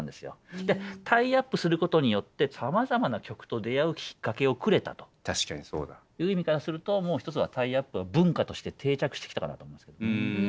タイアップすることによってさまざまな曲と出会うきっかけをくれたという意味からすると一つはタイアップは文化として定着してきたかなと思いますけどね。